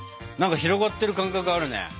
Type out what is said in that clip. なんか広がってる感覚あるね。